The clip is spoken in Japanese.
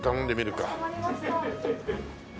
かしこまりました。